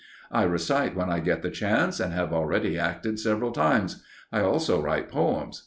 I recite when I get the chance, and have already acted several times; I also write poems.